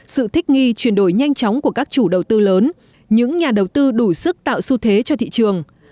sự thích nghi chuyển đổi nhanh chóng của các chủ đầu tư lớn những nhà đầu tư đủ sức tạo xu thế cho thị trường